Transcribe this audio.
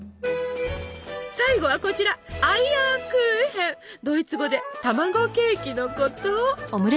最後はこちらドイツ語で「卵ケーキ」のこと。